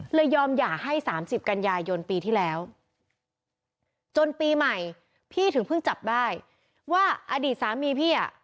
ยอมหย่าให้๓๐กันยายนปีที่แล้วจนปีใหม่พี่ถึงเพิ่งจับได้ว่าอดีตสามีพี่อ่ะ